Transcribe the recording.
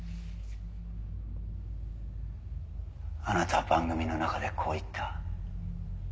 あなたは番組の中でこう言った。